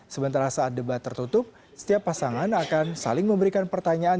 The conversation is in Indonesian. sementara saat debat tertutup setiap pasangan akan saling memberikan pertanyaan